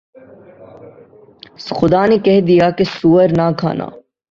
خدا نے کہہ دیا کہ سؤر نہ کھانا